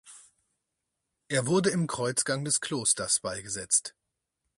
Er wurde im Kreuzgang des Klosters beigesetzt.